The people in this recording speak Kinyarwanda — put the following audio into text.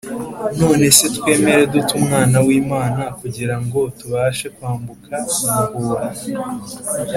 None se twemera dute Umwana w'Imana kugira ngo tubashe kwambuka umuhora